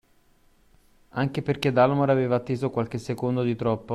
Anche perché Dalmor aveva atteso qualche secondo di troppo